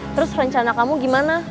terus rencana kamu gimana